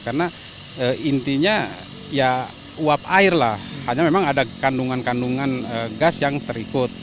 karena intinya ya uap air lah hanya memang ada kandungan kandungan gas yang terikut